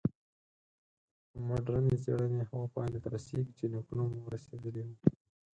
مډرني څېړنې هغو پایلو ته رسېږي چې نیکونه مو رسېدلي وو.